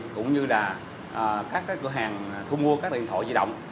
cũng như là các cửa hàng thu mua các điện thoại di động